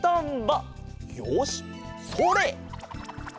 よしそれ！